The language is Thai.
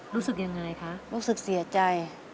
รู้สึกยังไงคะรู้สึกเสียใจ